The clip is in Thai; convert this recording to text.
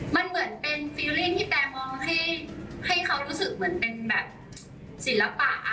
มันเหมือนเป็นความรู้สึกที่แตรมองให้เค้ารู้สึกเหมือนเป็นสิลปะ